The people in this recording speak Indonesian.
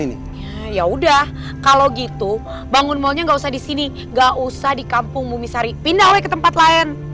ini ya udah kalau gitu bangunnya nggak usah di sini gak usah di kampung ard com yg tempat lain